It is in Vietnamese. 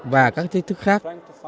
và các thách thức khác